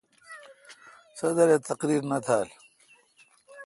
صدر اے° تقریر نہ تھال۔